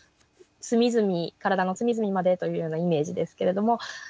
隅々体の隅々までというようなイメージですけれども。